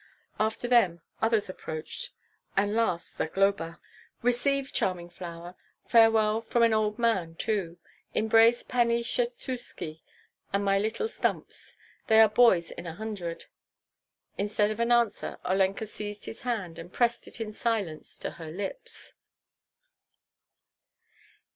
After them others approached, and last Zagloba. "Receive, charming flower, farewell from an old man too. Embrace Pani Skshetuski and my little stumps. They are boys in a hundred!" Instead of an answer, Olenka seized his hand, and pressed it in silence to her lips.